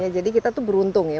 jadi kita tuh beruntung ya